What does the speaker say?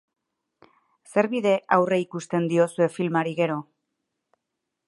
Zer bide aurreikusten diozue filmari gero?